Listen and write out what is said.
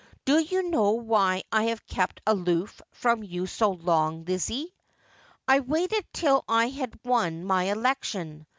Do you know why I have kept aloof from you so long. Lizzie ? I waited till I had won my election.